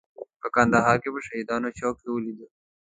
په کندهار کې په شهیدانو چوک کې ولیده.